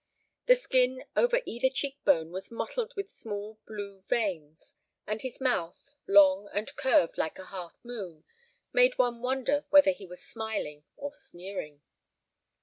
The skin over either cheek bone was mottled with small blue veins, and his mouth, long and curved like a half moon, made one wonder whether he was smiling or sneering.